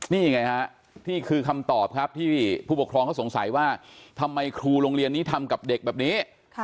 นี่ไงฮะนี่คือคำตอบครับที่ผู้ปกครองเขาสงสัยว่าทำไมครูโรงเรียนนี้ทำกับเด็กแบบนี้